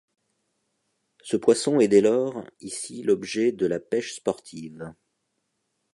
Ce poisson est dès lors ici l'objet de la pêche sportive.